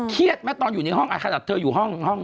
เครียดไหมตอนอยู่ในห้องขนาดเธออยู่ห้อง